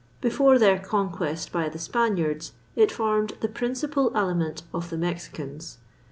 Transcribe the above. Before their conquest by the Spaniards, it formed the principal aliment of the Mexicans.